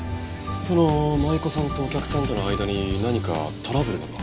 その舞子さんとお客さんとの間に何かトラブルなどは？